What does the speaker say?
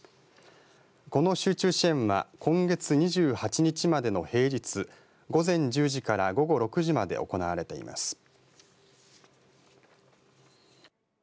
この集中支援は今月２８日までの平日午前１０時から午後６時まで行われています。